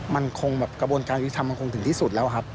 มันคงกระบวนการวิธีทำมันคงถึงที่สุดแล้วครับ